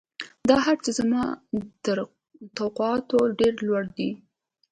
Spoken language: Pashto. دا هرڅه زما تر توقعاتو ډېر لوړ وو